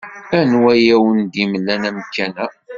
Anwa ay awen-d-yemlan amkan-a?